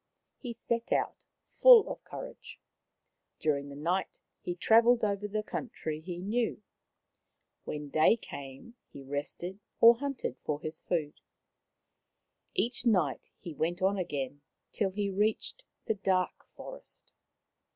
He set out, full of courage. During the night he travelled over the country he knew. When day came he rested or hunted his food. Each night he went on again, till he reached the dark forest.